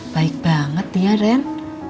baik banget ya ren